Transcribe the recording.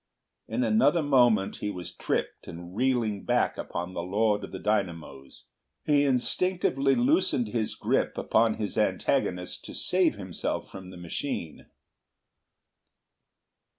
In another moment he was tripped and reeling back upon the Lord of the Dynamos. He instinctively loosened his grip upon his antagonist to save himself from the machine.